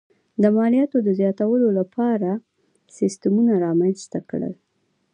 د مالیاتو د زیاتولو لپاره سیستمونه رامنځته کړل.